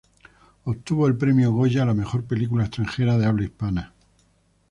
Obtuvo el premio Goya a la Mejor Película Extranjera de Habla Hispana.